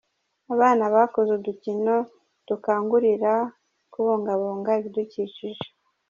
Abana bakoze udukino dukangurira kubungabunga ibidukikije.